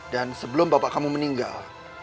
dan sebelum bapak kamu meninggal